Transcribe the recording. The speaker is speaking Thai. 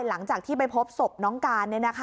หลังจากที่ไปพบศพน้องการ